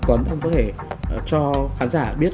ông có thể cho khán giả biết